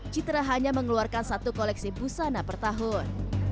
citra hanya mengeluarkan satu koleksi busana per tahun